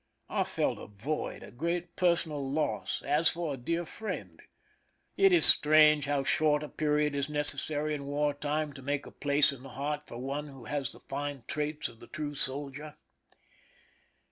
I felt a void, a great personal loss, as for a dear friend. It is strange how short a period is necessary in war time to make a place in the heart for one who has the fine traits of the true soldier.